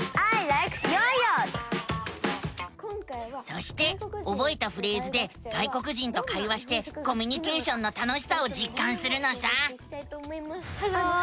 Ｍｉｈｉｒｏそしておぼえたフレーズで外国人と会話してコミュニケーションの楽しさをじっかんするのさ。